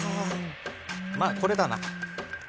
まあこれだな。